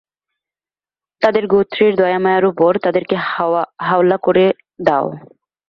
তাদের গোত্রের দয়া-মায়ার উপর তাদেরকে হাওলা করে দাও।